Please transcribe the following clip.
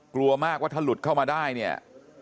กลัวมากว่าถ้าหลุดเข้ามาได้เนี่ย